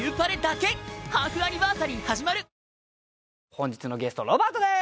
本日のゲストロバートです。